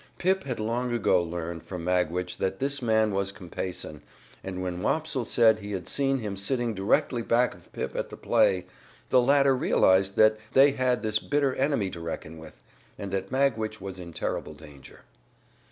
Pip had long ago learned from Magwitch that this man was Compeyson, and when Wopsle said he had seen him sitting directly back of Pip at the play, the latter realized that they had this bitter enemy to reckon with, and that Magwitch was in terrible danger.